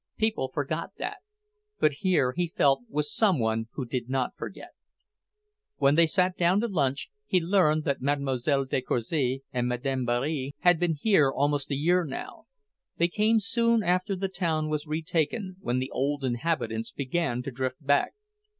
People forgot that; but here, he felt, was some one who did not forget. When they sat down to lunch he learned that Mlle. de Courcy and Madame Barre had been here almost a year now; they came soon after the town was retaken, when the old inhabitants began to drift back.